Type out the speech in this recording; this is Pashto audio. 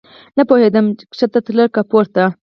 نه پوهېدم چې کښته تله که پورته.